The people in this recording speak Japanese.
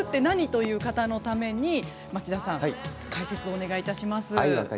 という方のために、町田さん解説をお願いします。